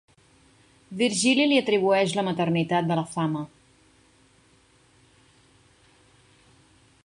Virgili li atribueix la maternitat de la Fama.